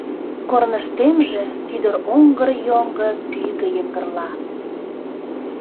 Корныштемже кӱдыроҥгыр йоҥго пӱгӧ йыҥгырла.